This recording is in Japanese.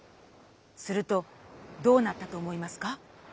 するとどうなったと思いますか？